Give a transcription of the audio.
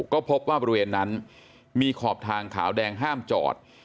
ก็พบว่าบริเวณนั้นมีขอบทางขาวแดงห้ามจอด